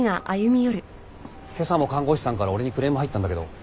今朝も看護師さんから俺にクレーム入ったんだけど。